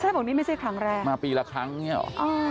ใช่บอกนี่ไม่ใช่ครั้งแรกมาปีละครั้งอย่างนี้หรอ